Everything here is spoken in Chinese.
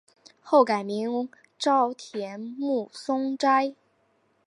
后改名沼田面松斋。